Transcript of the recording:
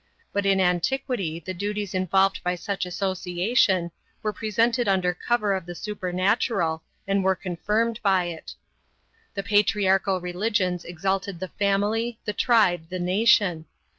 But in antiquity the duties involved by such association were presented under cover of the supernatural and were confirmed by it. The patriarchal religions exalted the family, the tribe, the nation.